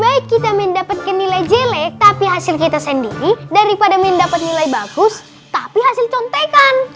baik kita mendapatkan nilai jelek tapi hasil kita sendiri daripada mendapat nilai bagus tapi hasil contekan